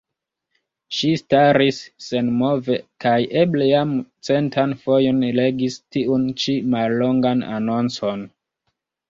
Ŝi staris senmove kaj eble jam centan fojon legis tiun ĉi mallongan anoncon.